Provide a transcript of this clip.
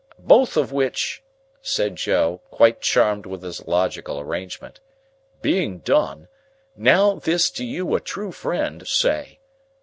Both of which," said Joe, quite charmed with his logical arrangement, "being done, now this to you a true friend, say.